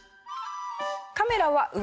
カメラは上。